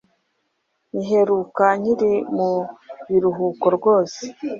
nyiheruka nkiri mu biruhuko rwose!